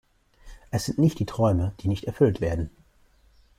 Es sind nicht die Träume, die nicht erfüllt werden.